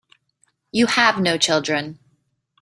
You have no children.